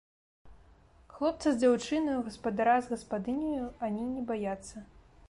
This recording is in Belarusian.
Хлопца з дзяўчынаю, гаспадара з гаспадыняю ані не баяцца.